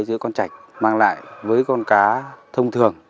giữa con chạch mang lại với con cá thông thường